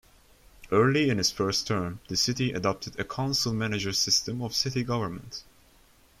Early in his first term, the city adopted a council-manager system of city government.